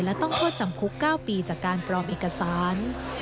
และต้องโทษจำคุก๙ปีจากการปลอมเอกสาร